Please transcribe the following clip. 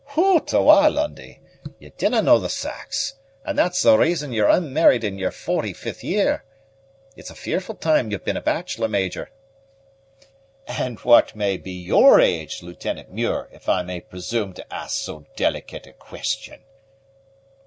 "Hout, awa', Lundie! ye dinna know the sax, and that's the reason yer unmarried in yer forty fifth year. It's a fearfu' time ye've been a bachelor, Major!" "And what may be your age, Lieutenant Muir, if I may presume to ask so delicate a question?"